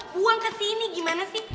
buang kesini gimana sih